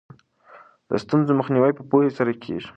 د ستونزو مخنیوی په پوهې سره کیږي.